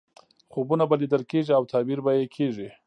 خوبونه به لیدل کېږي او تعبیر به یې کېږي.